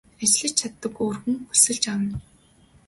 Ажиллаж чаддаг өөр хүн хөлсөлж авна.